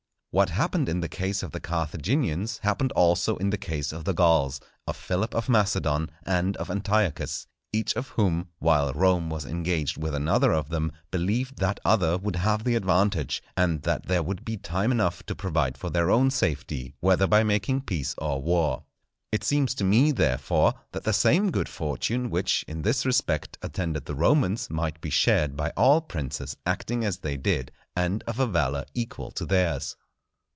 What happened in the case of the Carthaginians, happened also in the case of the Gauls, of Philip of Macedon, and of Antiochus, each of whom, while Rome was engaged with another of them, believed that other would have the advantage, and that there would be time enough to provide for their own safety, whether by making peace or war. It seems to me, therefore, that the same good fortune which, in this respect, attended the Romans, might be shared by all princes acting as they did, and of a valour equal to theirs.